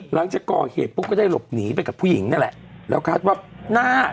หลังจากก่อเหตุปุ๊บก็ได้หลบหนีไปกับผู้หญิงนั่นแหละแล้วคาดว่าหน้า